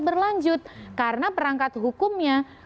berlanjut karena perangkat hukumnya